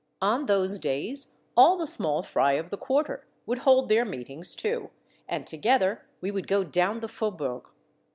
On those days all the small fry of the quarter would hold their meetings too, and together we would go down the faubourg.